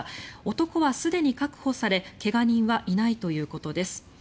男はすでに確保され怪我人はいないということです。